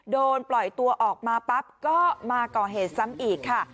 โดนปล่อยตัวออกมาปั๊บก็มาก่อเหตุซ้ำอีกค่ะ